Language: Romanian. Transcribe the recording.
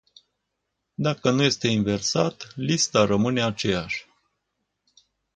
Dacă nu este inversat, lista rămâne aceeași.